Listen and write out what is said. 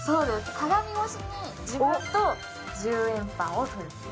鏡越しに自分と１０円パンを撮る。